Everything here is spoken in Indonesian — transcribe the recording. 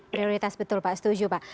prioritas betul pak setuju pak